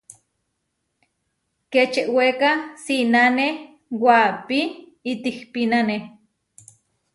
Kečeweka sinane waʼapí itihpínane.